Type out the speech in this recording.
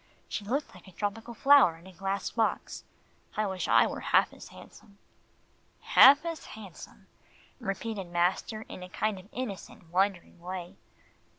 She looked like a tropical flower in a glass box. I wish I were half as handsome." "Half as handsome," repeated master in a kind of innocent, wondering way.